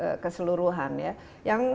secara policy keseluruhan ya